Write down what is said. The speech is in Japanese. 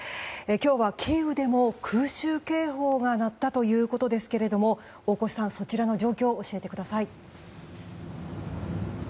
今日はキーウでも空襲警報が鳴ったということですが大越さん、そちらの状況教えてください。